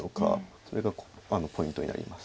それがポイントになります。